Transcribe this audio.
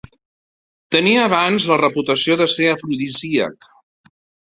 Tenia abans la reputació de ser afrodisíac.